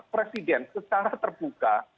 presiden secara terbuka